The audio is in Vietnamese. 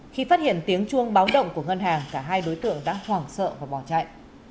khi phát hiện tiếng chuông báo động của ngân hàng cả hai đối tượng đã hoảng sợ và bỏ chạy